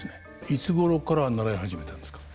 いつごろから習い始めたんですか？